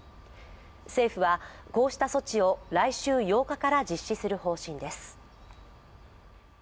政府はこうした措置を来週８日から実施する方針です。